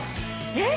えっ！